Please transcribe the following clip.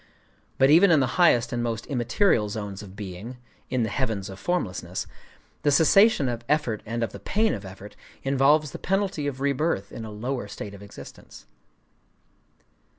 But even in the highest and most immaterial zones of being,—in the Heavens of Formlessness,—the cessation of effort and of the pain of effort, involves the penalty of rebirth in a lower state of existence.